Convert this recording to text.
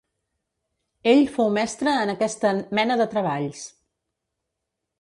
Ell fou mestre en aquesta mena de treballs.